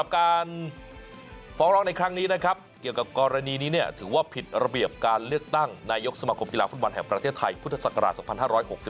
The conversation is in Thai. การฟ้องร้องในครั้งนี้นะครับเกี่ยวกับกรณีนี้ถือว่าผิดระเบียบการเลือกตั้งนายกสมาคมกีฬาฟุตบอลแห่งประเทศไทยพุทธศักราช๒๕๖๒